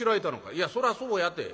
「いやそらそうやて。